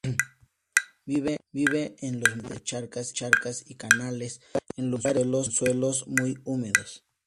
Vive en los márgenes de charcas y canales, en lugares con suelos muy húmedos.